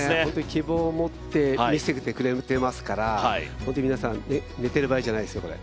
希望を持って見せてくれてますから本当に皆さん寝てる場合じゃないですよ、これ。